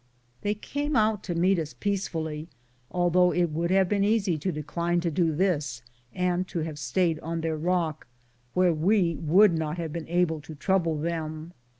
They came out to meet us peacefully, although it would have been easy to decline to do this and to have stayed on their rock, where we would not have been able to trouble them.